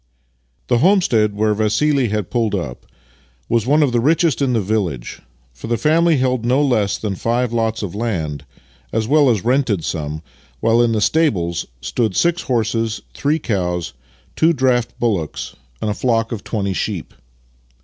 IV The homestead where Vassili had pulled up was one of the richest in the village, for the family held no less than five lots of land, as well as rented some, while in the stables stood six horses, three cows, two draught bullocks, and a flock of twenty sheep.